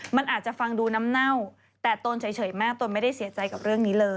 มันอาจจะฟังดูน้ำเน่าแต่ตนเฉยมากตนไม่ได้เสียใจกับเรื่องนี้เลย